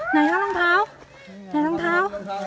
ไหนครับรองเท้า